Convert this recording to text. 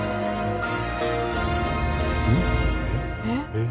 えっ？